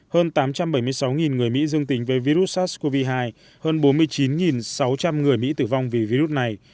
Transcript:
hơn tám trăm bảy mươi sáu người mỹ dương tính với virus sars cov hai hơn bốn mươi chín sáu trăm linh người mỹ tử vong vì virus này